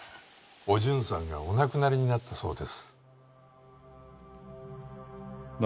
お順さんがお亡くなりになったそうです。